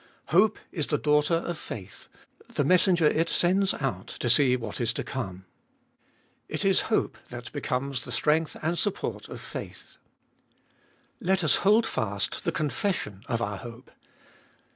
Hope is the daughter of faith, the messenger it sends out to see what is to come : it is hope that becomes the strength and support of faith. Let us hold fast the confession of our hope.